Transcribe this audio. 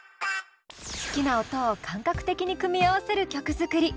好きな音を感覚的に組み合わせる曲作り。